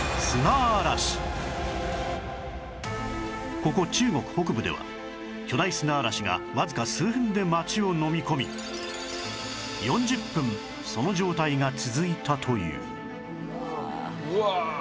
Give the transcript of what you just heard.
ここ中国北部では巨大砂嵐がわずか数分で街をのみ込み４０分その状態が続いたといううわ！